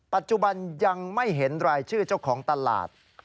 ปัจจุบันยังไม่เห็นรายชื่อเจ้าของตลาด